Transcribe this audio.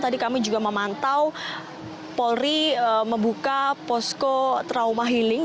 tadi kami juga memantau polri membuka posko trauma healing